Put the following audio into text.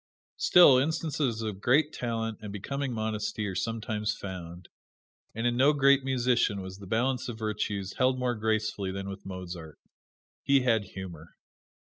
Still, instances of great talent and becoming modesty are sometimes found; and in no great musician was the balance of virtues held more gracefully than with Mozart. He had humor.